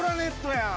やん！